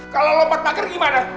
kalau lompat pagar gimana